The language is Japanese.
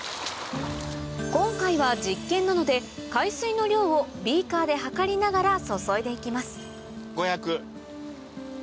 今回は実験なので海水の量をビーカーで量りながら注いで行きます５００。